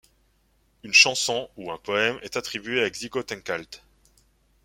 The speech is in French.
Une chanson - ou un poème - est attribuée à Xicotencatl.